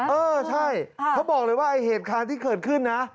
เออใช่เขาบอกเลยว่าเหตุความที่เกิดขึ้นนะ